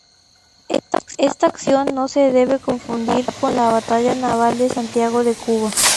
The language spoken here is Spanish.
Esta acción no se debe confundir con la batalla naval de Santiago de Cuba.